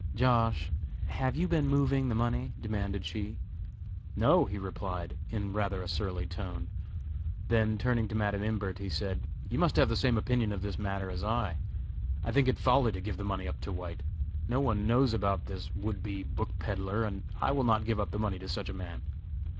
"Josh., have you been moving the money?" demanded she. "No!" he replied, in rather a surly tone. Then turning to Madam Imbert, he said: "You must have the same opinion of this matter as I! I think it folly to give the money up to White. No one knows about this would be book peddler, and I will not give up the money to such a man.